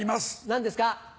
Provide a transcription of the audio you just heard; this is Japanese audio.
何ですか？